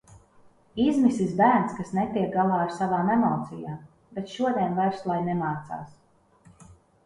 Izmisis bērns, kas netiek galā ar savām emocijām. Bet šodien vairs lai nemācās.